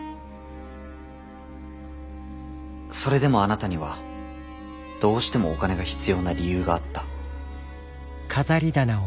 それでもあなたにはどうしてもお金が必要な理由があった。